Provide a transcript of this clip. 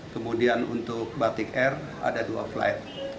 kemudian untuk batik air ada dua flight